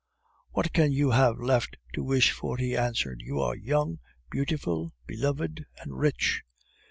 "What can you have left to wish for?" he answered. "You are young, beautiful, beloved, and rich."